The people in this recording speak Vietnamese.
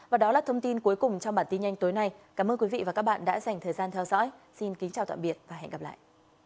và đó là thông tin cuối cùng trong bản tin nhanh tối nay cảm ơn quý vị và các bạn đã dành thời gian theo dõi xin kính chào tạm biệt và hẹn gặp lại